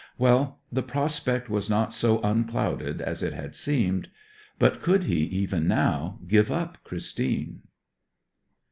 Well, the prospect was not so unclouded as it had seemed. But could he, even now, give up Christine?